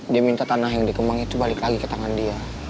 dia minta tanah yang dikembang itu balik lagi ke tangan dia